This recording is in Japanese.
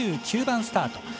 ２９番スタート。